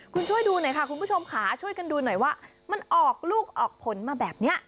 คุณช่วยดูหน่อยค่ะคุณผู้ชมค่ะช่วยกันดูหน่อยว่ามันออกลูกออกผลมาแบบนี้